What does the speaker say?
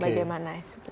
bagaimana seperti itu